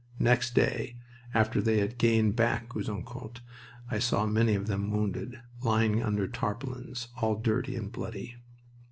Next day, after they had gained back Gouzeaucourt, I saw many of them wounded, lying under tarpaulins, all dirty and bloody.